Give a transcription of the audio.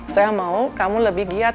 saya mau kamu lebih giat